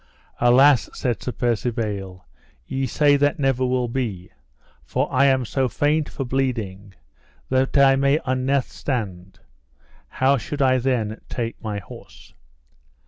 Alas, said Sir Percivale, ye say that never will be, for I am so faint for bleeding that I may unnethe stand, how should I then take my horse?